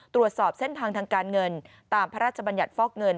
ตรวจสอบเส้นทางทางการเงินตามพระราชบัญญัติฟอกเงิน